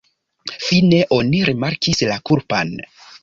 Fine oni rimarkis la kulpan.